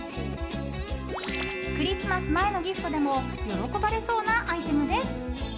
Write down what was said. クリスマス前のギフトでも喜ばれそうなアイテムです。